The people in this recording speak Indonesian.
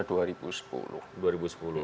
dua ribu sepuluh berarti kan waktu periode kedua udah